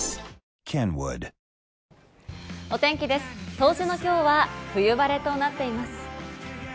冬至の今日は冬晴れとなっています。